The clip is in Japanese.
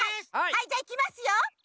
はいじゃあいきますよ！